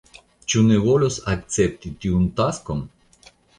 Ĉu ne volus akcepti tiun taskon?